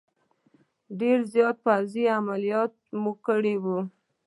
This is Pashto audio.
ډېر زیات پوځي عملیات مو کړي وای.